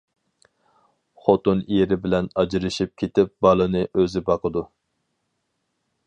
خوتۇن ئېرى بىلەن ئاجرىشىپ كېتىپ بالىنى ئۆزى باقىدۇ.